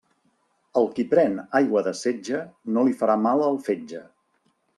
Al qui pren aigua de setge no li farà mal el fetge.